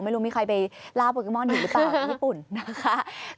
ไม่รู้มีใครไปล่าโปเกมอนอยู่หรือเปล่าที่ญี่ปุ่นนะคะ